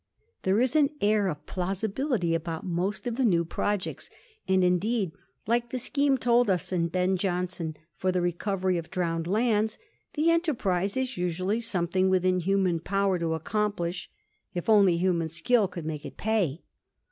There is an air of plausibility about most of the new . projects ; and, indeed, like the scheme told of in Ben Jonson for the recovery of drowned lands, the enter prise is usually something within human power to accomplish, if only human skill could make it pay.